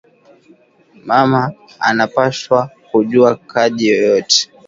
Mama ana pashwa ku juwa kaji yoyote